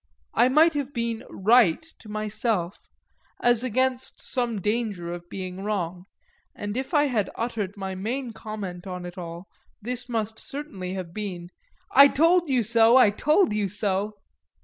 I might have been right to myself as against some danger of being wrong, and if I had uttered my main comment on it all this must certainly have been "I told you so, I told you so!"